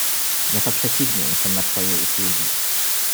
"ja to przeciwnie jestem na twoje usługi."